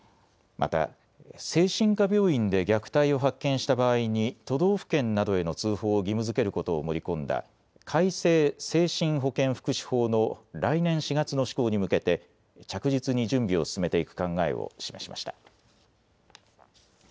また精神科病院で虐待を発見した場合に都道府県などへの通報を義務づけることを盛り込んだ改正精神保健福祉法の来年４月の施行に向けて着実に準備を進めていく考えを示しました。